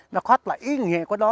nó khóc là ý nghĩa của đó